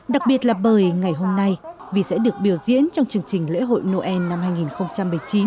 đặc biệt là bởi ngày hôm nay vi sẽ được biểu diễn trong chương trình lễ hội noel năm hai nghìn một mươi chín